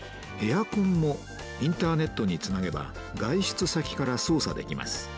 エアコンもインターネットにつなげば外出先から操作できます。